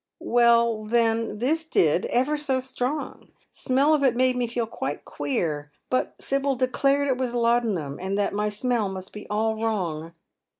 "Well, then, this did, ever so strong. The smell of it mad© me feel quite queer. But Sibyl declared it was laudanum, and that my smell must be all wrong."